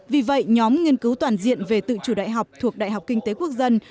vì vậy nhóm nghiên cứu toàn diện về tự chủ đại học thuộc đại học kinh tế quốc dân